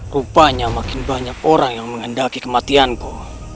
rupanya makin banyak orang yang menghendaki kematianku